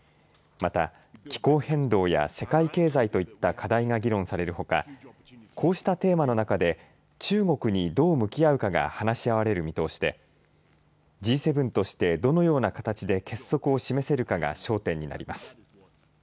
また気候変動や世界経済といった課題が議論されるほかこうしたテーマの中で中国にどう向き合うかが話し合われる見通しでＧ７として、どのような形で結束を示せるかが焦点となります。